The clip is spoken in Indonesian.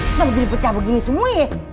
kenapa gini pecah begini semua ya